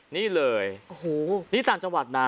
นี่เลยนี่ต่างจังหวัดนะ